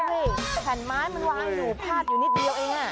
อาจจะมานั่งกินกับเพื่อน